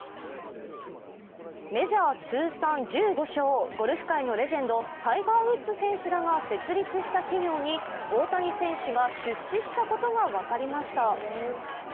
メジャー通算１５勝、ゴルフ界のレジェンド、タイガー・ウッズ選手らが設立した企業に大谷選手が出資したことが分かりました。